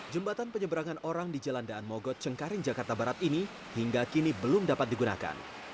jembatan penyeberangan orang di jalan daan mogot cengkaring jakarta barat ini hingga kini belum dapat digunakan